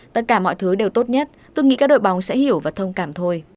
tất cả mọi thứ đều tốt nhất tôi nghĩ các đội bóng sẽ hiểu và thông cảm thôi